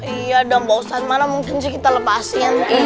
iya dan bau san mana mungkin sih kita lepasin